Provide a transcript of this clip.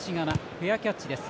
フェアキャッチです。